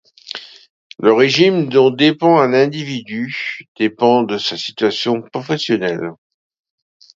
Le régime dont dépend un individu dépend de sa situation professionnelle.